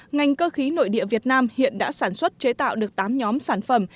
ngành cơ khí nội địa việt nam hiện đã sản xuất chế tạo được tám nhóm sản phẩm